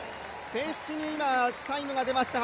正式にタイムが出ました